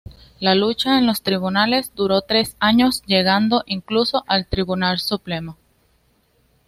La lucha en los tribunales duró tres años llegando, incluso, al Tribunal Supremo.